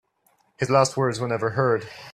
His last words were never heard.